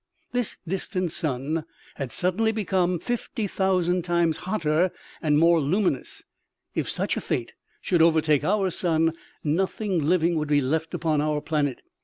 This distant sun had suddenly become 50,000 times hotter and more luminous. If such a fate should overtake our sun, nothing living would be left upon our planet.